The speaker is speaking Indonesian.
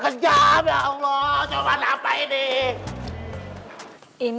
gitu aja lah mbak